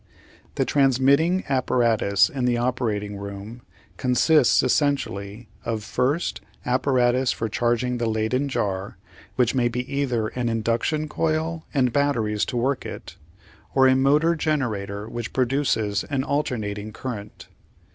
The transmitting apparatus in the operating room consists essentially of, first, apparatus for charging the Leyden jar, which may be either an induction coil and batteries to work it, or a motor generator which produces an alternating current.